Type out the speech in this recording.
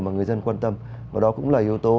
mà người dân quan tâm và đó cũng là yếu tố